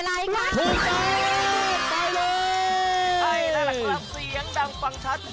ใช่ได้แล้วครับเสียงดังฟังชัด